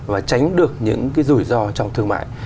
và tránh được những cái rủi ro trong thương mại